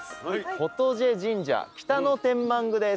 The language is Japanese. フォトジェ神社北野天満宮です。